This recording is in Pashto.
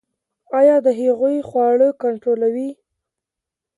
ایا د هغوی خواړه کنټرولوئ؟